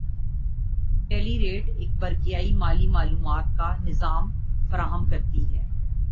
ٹیلیریٹ ایک برقیائی مالی معلومات کا نظام فراہم کرتی ہے